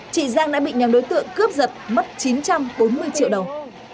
chị giang đã bị nhóm đối tượng cướp giật mất chín trăm bốn mươi triệu đồng